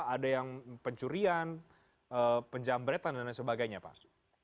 ada yang pencurian penjambretan dan lain sebagainya pak